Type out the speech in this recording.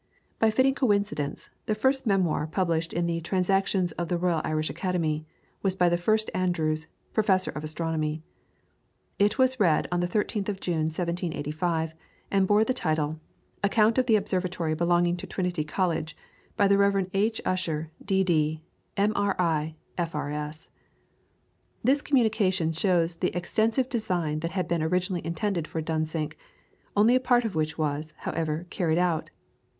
By a fitting coincidence, the first memoir published in the "Transactions Of The Royal Irish Academy," was by the first Andrews, Professor of Astronomy. It was read on the 13th of June, 1785, and bore the title, "Account of the Observatory belonging to Trinity College," by the Rev. H. Ussher, D.D., M.R.I.A., F.R.S. This communication shows the extensive design that had been originally intended for Dunsink, only a part of which was, however, carried out.